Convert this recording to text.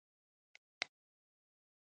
دحسین” په زخمی زړه کی، دیزید خنجر ځلیږی”